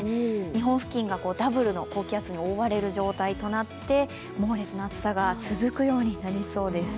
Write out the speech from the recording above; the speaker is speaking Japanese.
日本付近がダブルの高気圧に覆われる状況となって猛烈な暑さが続くようになりそうです。